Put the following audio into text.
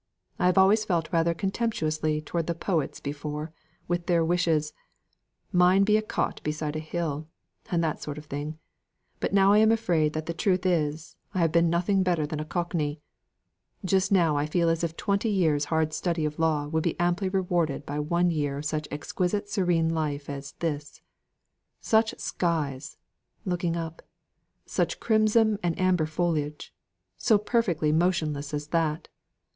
I have always felt rather contemptuously towards the poets before, with their wishes, 'Mine be a cot beside a hill,' and that sort of thing; but now I am afraid that the truth is, I have been nothing better than a Cockney. Just now I feel as if twenty years' hard study of law would be amply rewarded by one year of such an exquisite serene life as this such skies!" looking up "such crimson and amber foliage, so perfectly motionless as that!"